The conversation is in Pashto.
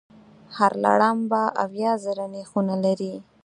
هر لړم به اویا زره نېښونه لري.